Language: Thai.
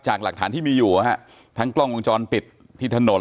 หลักฐานที่มีอยู่ทั้งกล้องวงจรปิดที่ถนน